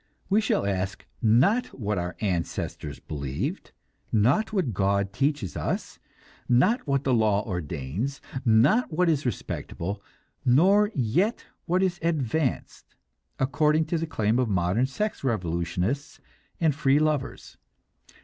We shall ask, not what our ancestors believed, not what God teaches us, not what the law ordains, not what is "respectable," nor yet what is "advanced," according to the claim of modern sex revolutionists and "free lovers."